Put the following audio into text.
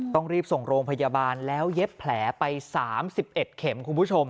ต้องรีบส่งโรงพยาบาลแล้วเย็บแผลไป๓๑เข็มคุณผู้ชม